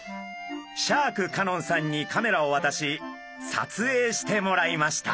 シャーク香音さんにカメラをわたし撮影してもらいました。